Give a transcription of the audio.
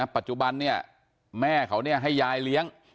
ปัจจุบันเนี่ยแม่เขาให้ยายเลี้ยง